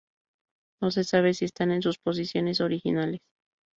No se sabe si están en sus posiciones originales.